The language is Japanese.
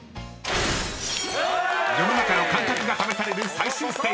［世の中の感覚が試される最終ステージ］